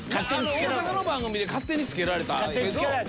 大阪の番組で勝手に付けられたけど。